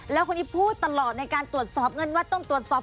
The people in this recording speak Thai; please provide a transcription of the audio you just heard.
แล้วคนนี้พูดตลอดในการตรวจสอบเงินวัดต้องตรวจสอบ